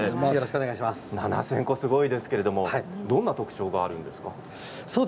７０００個すごいですけれどもどんな特徴があるんですか？